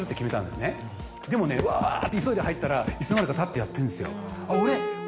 でもねわって急いで入ったらいつの間にか立ってやってんですよ